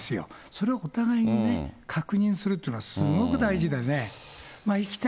それをお互いに確認するというのはすごく大事でね。